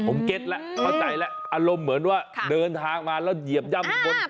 ผมเก็ตแล้วเข้าใจแล้วอารมณ์เหมือนว่าเดินทางมาแล้วเหยียบย่ำบน